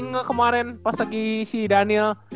nge kemaren pas lagi si daniel